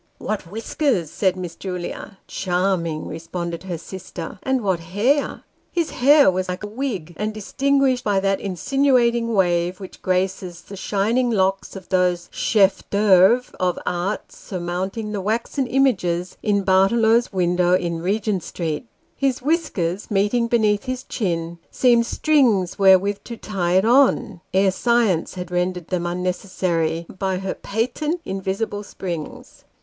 " What whiskers !" said Miss Julia. " Charming !" responded her sister ;" and what hair !" His hair was like a wig, and distinguished by that insinuating wave which graces the shining locks of those chefs d'oeuvre of art surmounting the waxen images in Bartellot's window in Regent Street ; his whiskers meeting beneath his chin, seemed strings wherewith to tie it on, ere science had rendered them unnecessary by her patent invisible springe.